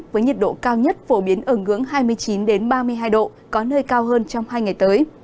với nhiệt độ cao nhất phổ biến ở ngưỡng hai mươi chín ba mươi hai độ có nơi cao hơn trong hai ngày tới